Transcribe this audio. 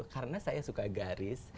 karena saya suka garis